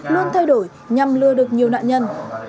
luôn thay đổi nhằm lừa được nhiều nạn nhân